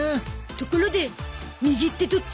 ところで右ってどっち？